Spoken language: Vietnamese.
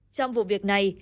trong vụ việc này